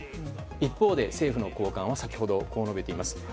一方で、政府の高官は先ほどこう述べています。